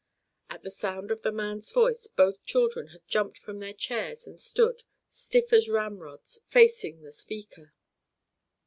At the sound of the man's voice both children had jumped from their chairs and stood, stiff as ramrods, facing the speaker.